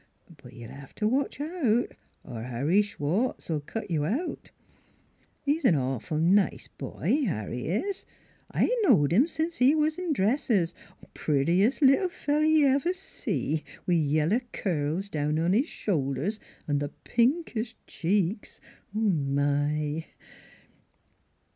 But you'll hev t' watch out, er Harry Schwartz '11 cut you out. ... He's an awful nice boy, Harry is. I've knowed him sence he was in dresses prettiest little feller y'ever see, with yellow curls down on his shoulders an' th' pinkest cheeks. My